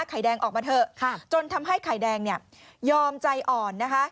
ไข่แดงออกมาเถอะจนทำให้ไข่แดงเนี่ยยอมใจอ่อนนะคะ